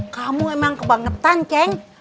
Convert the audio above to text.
kamu emang kebangetan ceng